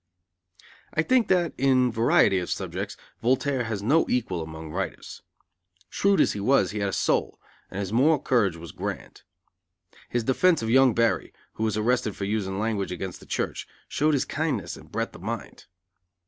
I think that, in variety of subjects, Voltaire has no equal among writers. Shrewd as he was, he had a soul, and his moral courage was grand. His defense of young Barry, who was arrested for using language against the church, showed his kindness and breadth of mind.